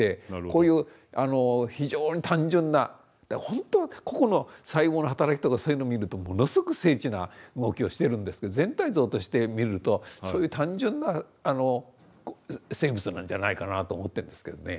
こういう非常に単純なほんと個々の細胞の働きとかそういうのを見るとものすごく精緻な動きをしてるんですけど全体像として見るとそういう単純な生物なんじゃないかなと思ってるんですけどね。